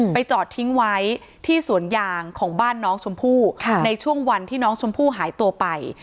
จอดทิ้งไว้ที่สวนยางของบ้านน้องชมพู่ในช่วงวันที่น้องชมพู่หายตัวไป